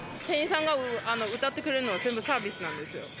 店員さんが歌ってくれるのは全部サービスなんですよ。